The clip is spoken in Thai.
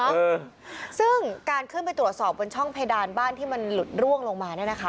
เออซึ่งการขึ้นไปตรวจสอบบนช่องเพดานบ้านที่มันหลุดร่วงลงมาเนี้ยนะคะ